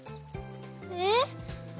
えっ？